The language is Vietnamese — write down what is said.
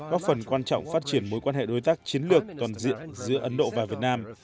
góp phần quan trọng phát triển mối quan hệ đối tác chiến lược toàn diện giữa ấn độ và việt nam